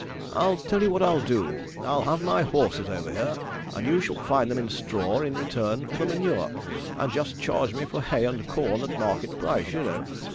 I'll tell you what I'll do. I'll have my horses over here, and you shall find them in straw in return for the manure, and just charge me for hay and corn at market price, you know.